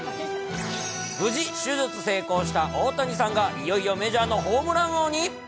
無事手術成功した大谷さんがいよいよメジャーのホームラン王に？